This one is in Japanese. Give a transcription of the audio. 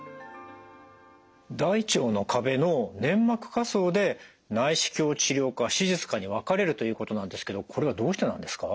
大腸の壁の粘膜下層で内視鏡治療か手術かに分かれるということなんですけどこれはどうしてなんですか？